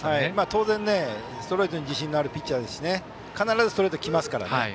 当然、ストレートに自信のあるピッチャーですし必ずストレートが来ますからね。